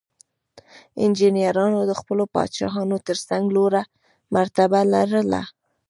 انجینرانو د خپلو پادشاهانو ترڅنګ لوړه مرتبه لرله.